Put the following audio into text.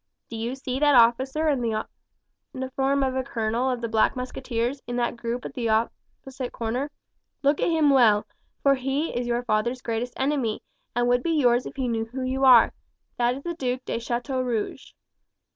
"Do you see that officer in the uniform of a colonel of the Black Musketeers, in that group at the opposite corner; look at him well, for he is your father's greatest enemy, and would be yours if he knew who you are; that is the Duke de Chateaurouge."